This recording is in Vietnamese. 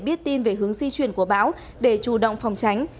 biết tin về hướng di chuyển của bão để chủ động phòng tránh